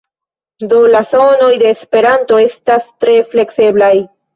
Do, la sonoj de esperanto estas tre flekseblaj.